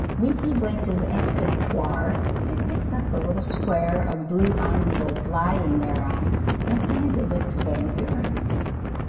Niki went to the escritoire and picked up the little square of blue envelope lying thereon and handed it to Van Buren.